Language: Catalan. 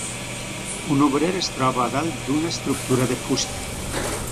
Un obrer es troba a dalt d'una estructura de fusta.